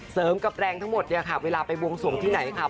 กับแรงทั้งหมดเนี่ยค่ะเวลาไปบวงสวงที่ไหนค่ะ